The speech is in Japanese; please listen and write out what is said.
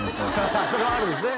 それはあるんですね